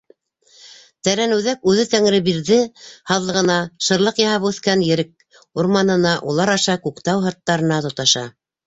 Тәрәнүҙәк үҙе Тәңребирҙе һаҙлығына, шырлыҡ яһап үҫкән ерек урманына, улар аша Күктау һырттарына тоташа.